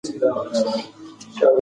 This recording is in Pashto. زما مور په پخلنځي کې د غرمې ډوډۍ تیاروي.